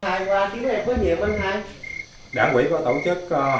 anh hai qua chiến đấu đẹp có nhiều không anh hai